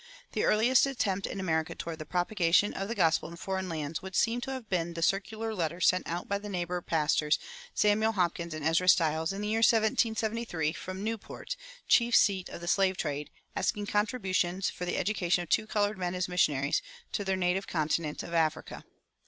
The earliest attempt in America toward the propagation of the gospel in foreign lands would seem to have been the circular letter sent out by the neighbor pastors, Samuel Hopkins and Ezra Stiles, in the year 1773, from Newport, chief seat of the slave trade, asking contributions for the education of two colored men as missionaries to their native continent of Africa.